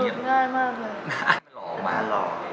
โเรมาลหล่อไหน